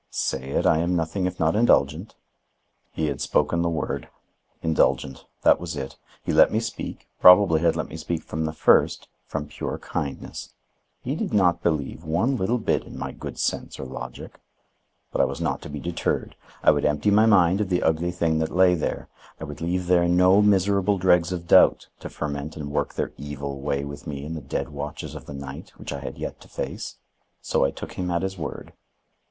"Say it I am nothing if not indulgent." He had spoken the word. Indulgent, that was it. He let me speak, probably had let me speak from the first, from pure kindness. He did not believe one little bit in my good sense or logic. But I was not to be deterred. I would empty my mind of the ugly thing that lay there. I would leave there no miserable dregs of doubt to ferment and work their evil way with me in the dead watches of the night, which I had yet to face. So I took him at his word.